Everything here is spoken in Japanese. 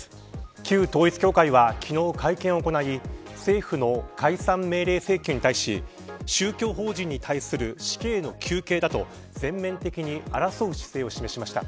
旧統一教会は昨日、会見を行い政府の解散命令請求に対し宗教法人に対する死刑の求刑だと全面的に争う姿勢を示しました。